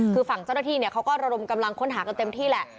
คือฝั่งเจ้าหน้าที่เขาก็ระดมกำลังค้นหากันเต็มที่แหละ